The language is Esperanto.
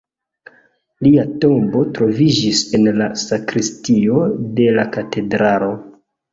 Lia tombo troviĝis en la sakristio de la katedralo.